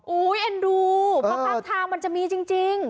อุ้ยเอ็นดูบ้างทางมันจะมีจริง